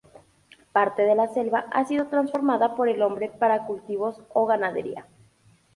Parte de la selva ha sido transformada por el hombre para cultivos o ganadería.